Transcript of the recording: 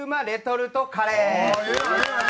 レトルトカレー。